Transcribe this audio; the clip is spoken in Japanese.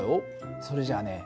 それじゃあね